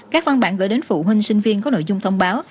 các văn bản gửi đến phụ huynh sinh viên có nội dung thông báo